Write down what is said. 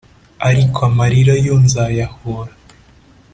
Ariko amarira yo nzayahora